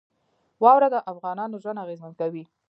واوره د افغانانو ژوند اغېزمن کوي.